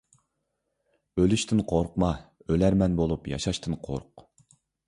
ئۆلۈشتىن قورقما، ئۆلەرمەن بولۇپ ياشاشتىن قورق.